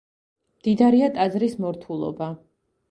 მდიდარია ტაძრის მორთულობა.